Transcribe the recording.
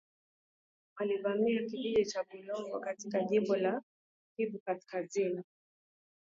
Walivamia kijiji cha Bulongo katika jimbo la Kivu kaskazini .